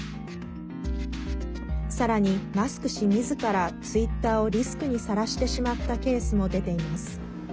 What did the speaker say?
さらに、マスク氏みずからツイッターをリスクにさらしてしまったケースも出ています。